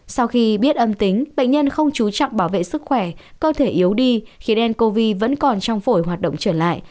sau khi biết âm tính bệnh nhân không chú trọng bảo vệ sức khỏe cơ thể yếu đi khí ncov vẫn còn trong phổi hoạt động trở lại